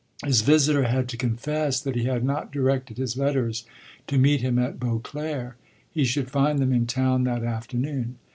His visitor had to confess that he had not directed his letters to meet him at Beauclere: he should find them in town that afternoon.